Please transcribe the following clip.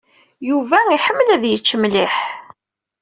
Yuba iḥemmel ad yečč mliḥ.